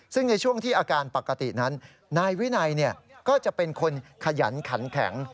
ซึ่งในช่วงที่อาการปกตินั้นนายวินัยก็จะเป็นคนขยันขันแข็ง